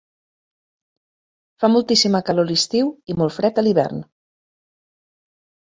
Fa moltíssima calor a l'estiu i molt fred a l'hivern.